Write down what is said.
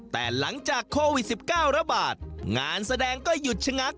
แต่หลังจากโควิด๑๙ระบาดงานแสดงก็หยุดชะงัก